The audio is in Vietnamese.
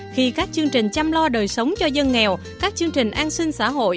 khi các chương trình chăm lo đời sống cho dân nghèo các chương trình an sinh xã hội